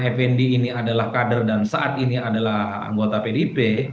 di mana effendi ini adalah kader dan saat ini adalah anggota pdip